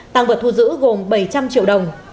tăng vật thu giữ gồm bảy trăm linh triệu đồng